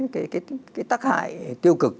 cái tác hại tiêu cực